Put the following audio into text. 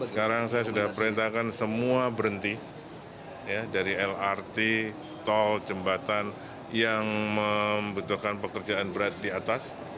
sekarang saya sudah perintahkan semua berhenti dari lrt tol jembatan yang membutuhkan pekerjaan berat di atas